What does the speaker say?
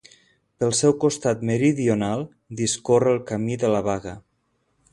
Pel seu costat meridional discorre el Camí de la Baga.